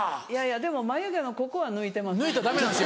でも眉毛のここは抜いてます。